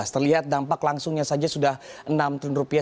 terlihat dampak langsungnya saja sudah enam triliun rupiah